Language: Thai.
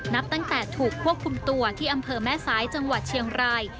นับตั้งแต่ถูกควบคุมตัวที่อำเภอแม่ซ้ายจังหวัดเชียงราย